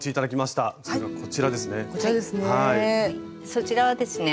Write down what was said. そちらはですね